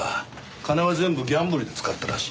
金は全部ギャンブルに使ったらしい。